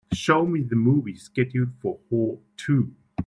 Show me the movie schedule for Whore II.